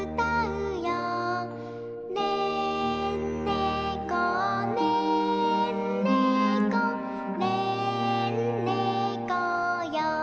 「ねんねこねんねこねんねこよ」